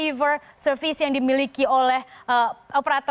jumlah bts atau best transceiver service yang dimiliki oleh operator selanjutnya